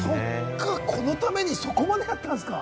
このためにそこまでやったんですか？